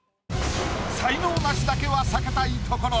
才能ナシだけは避けたいところ。